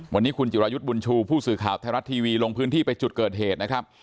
วันนี้คุณจิรายุทธ์บุญชูผู้สื่อข่าวไทยรัฐทีวีลงพื้นที่ไปจุดเกิดเหตุนะครับ